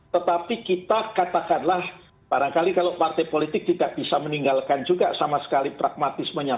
tetapi kita katakanlah barangkali kalau partai politik tidak bisa meninggalkan juga sama sekali pragmatismenya